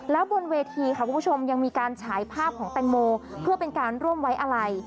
แล้วบนเวทีค่ะคุณผู้ชมยังมีการฉายภาพของแตงโมเพื่อเป็นการร่วมไว้อะไร